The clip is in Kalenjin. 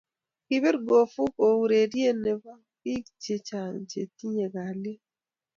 kipir Gofu ko urerie ne bo biik che chang che tiye kalyee.